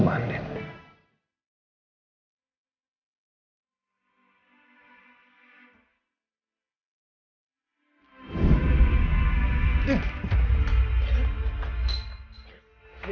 ketika andin mencari racun yang lebih baik